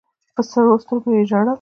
په سرو سترګو یې ژړل.